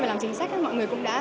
và làm chính sách mọi người cũng đã